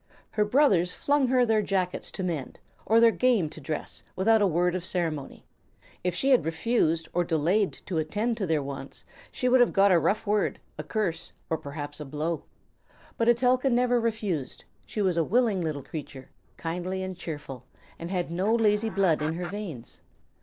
Her brothers flung her their jackets to mend or their game to dress, without a word of ceremony; if she had refused or delayed to attend to their wants she would have got a rough word, a curse, or perhaps a blow. But Etelka never refused; she was a willing little creature, kindly and cheerful, and had no lazy blood in her veins.